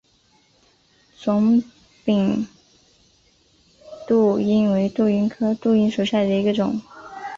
肿柄杜英为杜英科杜英属下的一个种。